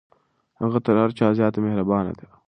هغه تر هر چا زیاته مهربانه ده.